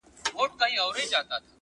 ته به د غم يو لوى بيابان سې گرانــــــي،